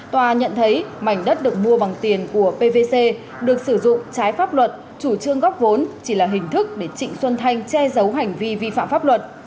tòa nhận thấy mảnh đất được mua bằng tiền của pvc được sử dụng trái pháp luật chủ trương góp vốn chỉ là hình thức để trịnh xuân thanh che giấu hành vi vi phạm pháp luật